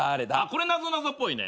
これなぞなぞっぽいね。